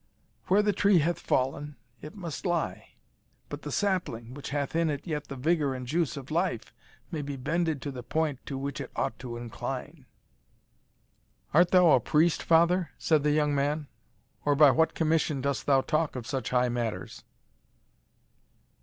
Where the tree hath fallen, it must lie. But the sapling, which hath in it yet the vigour and juice of life, may be bended to the point to which it ought to incline." "Art thou a priest, father?" said the young man, "or by what commission dost thou talk of such high matters?"